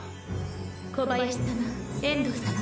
小林様遠藤様